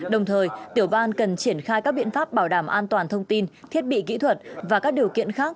đồng thời tiểu ban cần triển khai các biện pháp bảo đảm an toàn thông tin thiết bị kỹ thuật và các điều kiện khác